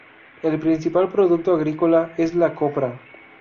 El principal producto agrícola es la copra.